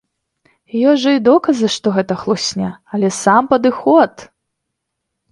Ёсць жа і доказы, што гэта хлусня, але сам падыход!